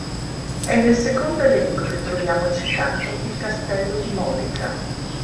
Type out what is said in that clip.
È nel secondo elenco che troviamo citato il castello di Modica.